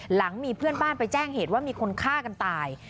หลังมีเพื่อนบ้านไปแจ้งเหตุว่ามีคนฆ่ากันตาย